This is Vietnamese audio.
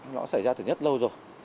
nó xảy ra từ nhất lâu rồi